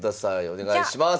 お願いします。